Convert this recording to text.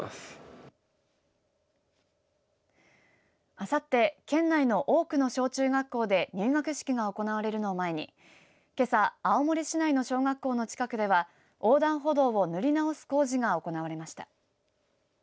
あさって県内の多くの小中学校で入学式が行われるのを前にけさ青森市内の小学校の近くでは横断歩道を塗り直す工事が行われました。